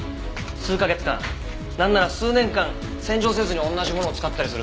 数カ月間なんなら数年間洗浄せずに同じものを使ったりするだろ？